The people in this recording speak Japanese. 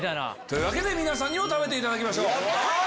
というわけで皆さんにも食べていただきましょう。